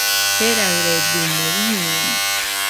Jeraɨredɨmɨe, iñeno